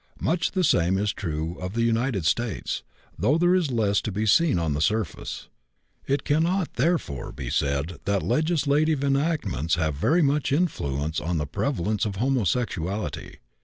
Much the same is true of the United States, though there is less to be seen on the surface. It cannot, therefore, be said that legislative enactments have very much influence on the prevalence of homosexuality.